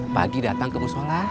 pagi datang kemusola